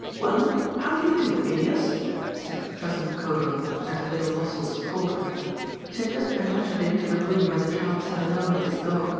" Well, how do you do, Elias ?'^ said * Cousin Cocoa,' as the little Lossells called her. She had just been ushered into the room where the child sat alone with his dog.